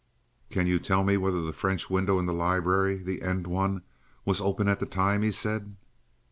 "Can you tell me whether the French window in the library, the end one, was open at that time?" he said.